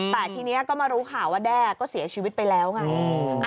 แต่ทีนี้ก็มารู้ข่าวว่าแด้ก็เสียชีวิตไปแล้วไง